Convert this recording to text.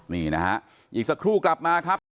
นี่นะฮะอีกสักครู่กลับมาครับ